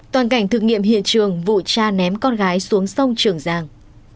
toàn cảnh thực nghiệm hiện trường vụ cha ném con gái xuống sông trường giang